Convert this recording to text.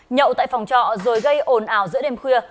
nhậu tại phòng trọ rồi gây ồn ào giữa đêm khuya